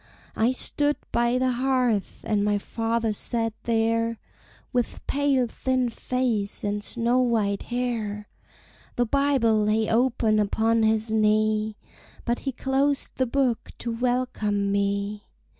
I stood by the hearth, and my father sat there, With pale, thin face, and snow white hair! The Bible lay open upon his knee, But he closed the book to welcome me.